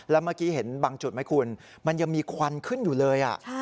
แล้วเมื่อกี้เห็นบางจุดไหมคุณมันยังมีควันขึ้นอยู่เลย